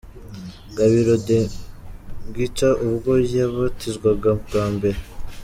Gabiro The Guitar ubwo yabatizwaga bwa mbere.